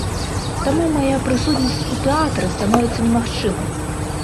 Таму мая прысутнасць у тэатры становіцца немагчымай.